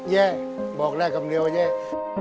แย่กะบอกได้อำนวยเยะ